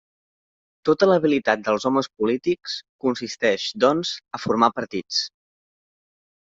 Tota l'habilitat dels homes polítics consisteix, doncs, a formar partits.